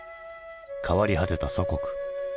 変わり果てた祖国。